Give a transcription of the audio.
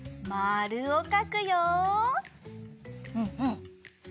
うんうん！